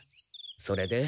それで？